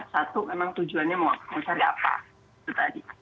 satu memang tujuannya menguasai apa itu tadi